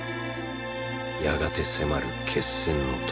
やがて迫る決戦の時。